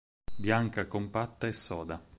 Bianca compatta e soda.